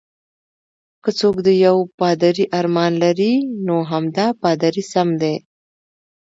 که څوک د یو پادري ارمان لري، نو همدا پادري سم دی.